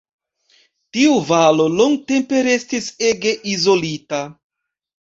Tiu valo longtempe restis ege izolita.